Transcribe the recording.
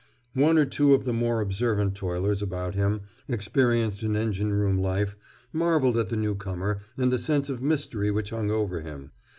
One or two of the more observant toilers about him, experienced in engine room life, marveled at the newcomer and the sense of mystery which hung over him.